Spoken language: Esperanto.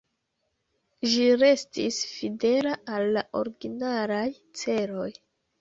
Ĝi restis fidela al la originalaj celoj.